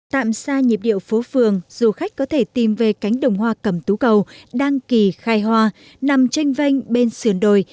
tạm xa nhịp điệu phố phường du khách có thể tìm về cánh đồng hoa cẩm tú cầu đăng kỳ khai hoa nằm tranh vanh bên sườn đồi